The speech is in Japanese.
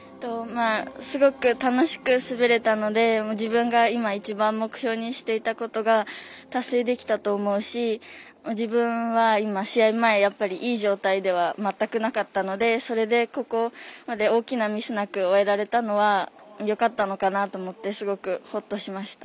すごく楽しく滑れたので自分が今一番目標にしていたことが達成できたと思うし自分は今、試合前いい状態では全くなかったのでそれで、ここまで大きなミスなく終えられたのはよかったのかなと思ってすごくほっとしました。